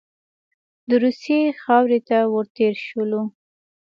د روسیې خاورې ته ور تېر شولو.